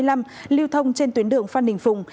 liêu thông trên tuyến đường phan đình phùng